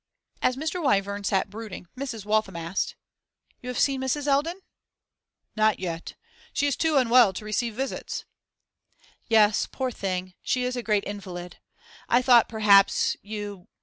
As Mr. Wyvern sat brooding, Mrs. Waltham asked 'You have seen Mrs. Eldon?' 'Not yet. She is too unwell to receive visits.' 'Yes, poor thing, she is a great invalid. I thought, perhaps, you